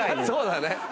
そうだね。